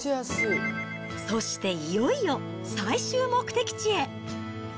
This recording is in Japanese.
そしていよいよ最終目的地へ。